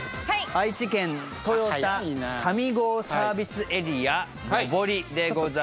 愛知県豊田上郷サービスエリア上りでございます